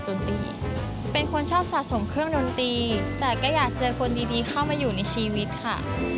เป็นคนชอบสะสมเครื่องดนตรีแต่ก็อยากเจอคนดีเข้ามาอยู่ในชีวิตค่ะ